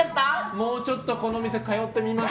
もうちょっとこの店、通ってみます。